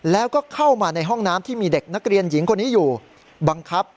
แล้วก็เข้ามาในห้องน้ำที่มีเด็กนักเรียนหญิงคนนี้อยู่บังคับ